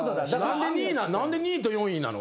何で２位と４位なの？